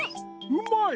うまい！